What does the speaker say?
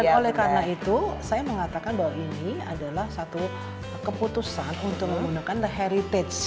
dan oleh karena itu saya mengatakan bahwa ini adalah satu keputusan untuk menggunakan the heritage